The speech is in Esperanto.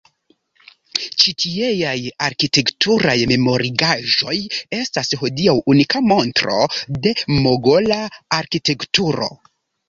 Ĉi tieaj arkitekturaj memorigaĵoj estas hodiaŭ unika montro de mogola arkitekturo.